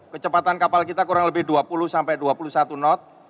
kecepatan kapal kita kurang lebih dua puluh sampai dua puluh satu knot